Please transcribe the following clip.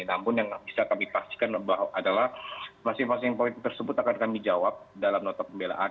namun yang bisa kami pastikan adalah masing masing poin tersebut akan kami jawab dalam nota pembelaan